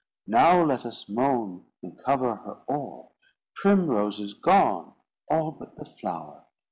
"Now let us moan." "And cover her o'er." "Primrose is gone." "All but the flower."